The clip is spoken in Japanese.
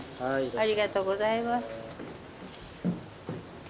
ありがとうございます。